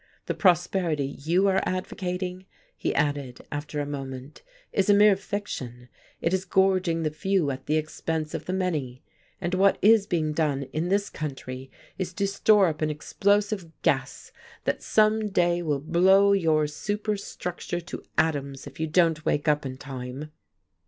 "The prosperity you are advocating," he added, after a moment, "is a mere fiction, it is gorging the few at the expense of the many. And what is being done in this country is to store up an explosive gas that some day will blow your superstructure to atoms if you don't wake up in time."